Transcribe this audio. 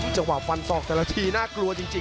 จังหวะฟันศอกแต่ละทีน่ากลัวจริง